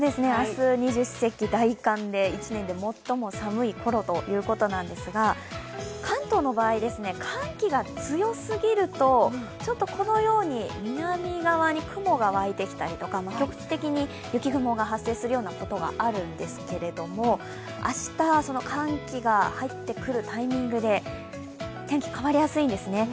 明日、二十四節気・大寒で一年で最も寒いころということですが、関東の場合、寒気が強すぎると南側に雲が湧いてきたり局地的に雪雲が発生したりすることがあるんですけれども明日、その寒気が入ってくるタイミングで天気が変わりやすいんです。